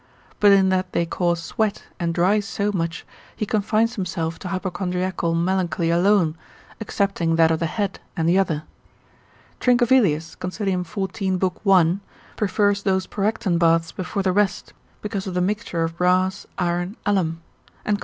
But in that they cause sweat and dry so much, he confines himself to hypochondriacal melancholy alone, excepting that of the head and the other. Trincavelius, consil. 14. lib. 1. refers those Porrectan baths before the rest, because of the mixture of brass, iron, alum, and consil.